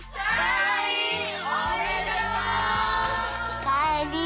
おかえり。